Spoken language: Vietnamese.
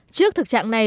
trước thực trạng này